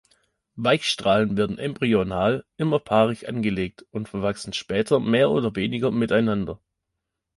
Weichstrahlen werden embryonal immer paarig angelegt und verwachsen später mehr oder weniger miteinander.